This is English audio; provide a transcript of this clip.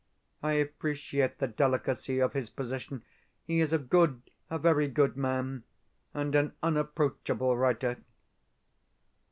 I appreciate the delicacy of his position. He is a good a very good man, and an unapproachable writer.